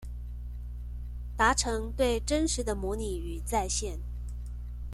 達成對真實的模擬與再現